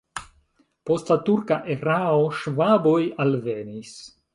Post la turka erao ŝvaboj alvenis.